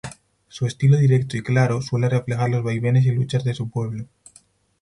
Su estilo directo y claro, suele reflejar los vaivenes y luchas de su pueblo.